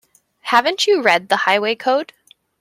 Haven't you read the Highway Code?